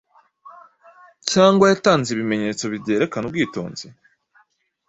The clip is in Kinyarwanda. cyangwa yatanze ibimenyetso byerekana ubwitonzi?